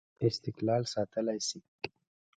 استقلال ساتلای شي.